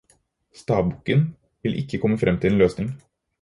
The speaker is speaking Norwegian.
Stabukken vil ikke komme frem til en løsning.